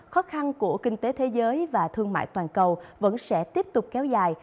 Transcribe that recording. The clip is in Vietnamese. khó khăn của kinh tế thế giới và thương mại toàn cầu vẫn sẽ tiếp tục kéo dài